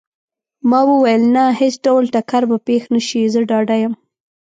ما وویل: نه، هیڅ ډول ټکر به پېښ نه شي، زه ډاډه یم.